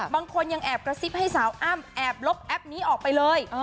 บางคนยังแอบกระซิบให้สาวอ้ำแอบลบแอปนี้ออกไปเลย